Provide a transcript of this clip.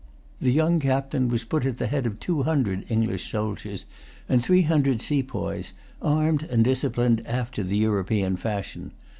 The young captain was put at the head of two hundred English soldiers, and three hundred sepoys, armed and disciplined after the European fashion.